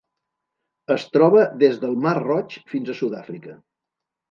Es troba des del Mar Roig fins a Sud-àfrica.